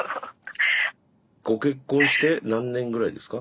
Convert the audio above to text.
ご結婚して何年ぐらいですか？